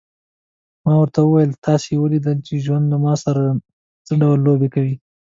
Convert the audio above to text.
ما ورته وویل: تاسي ولیدل چې ژوند له ما سره څه ډول لوبې کوي.